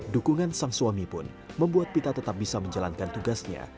dukungan sang suami pun membuat pita tetap bisa menjalankan tugasnya